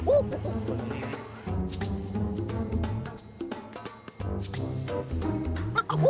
โอ้โห